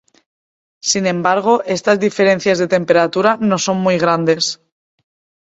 Sin embargo, estas diferencias de temperatura no son muy grandes.